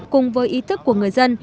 cùng với ý thức của người dân